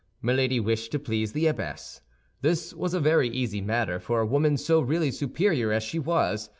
Milady wished to please the abbess. This was a very easy matter for a woman so really superior as she was.